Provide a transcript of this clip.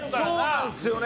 そうなんですよね。